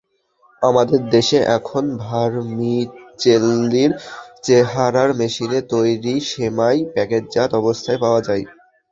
আমাদের দেশে এখন ভারমিচেল্লির চেহারার মেশিনে তৈরি সেমাই প্যাকেটজাত অবস্থায় পাওয়া যায়।